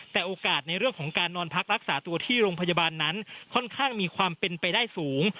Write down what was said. แต่โอกาสในเรื่องของการนอนพักรักษาตัวที่โรงพยาบาลนั้นค่อนข้างมีความเป็นไปได้สูง